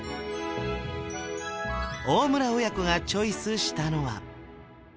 大村親子がチョイスしたのはええ！